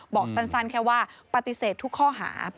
บอกสั้นแค่ว่าปฏิเสธทุกข้อหา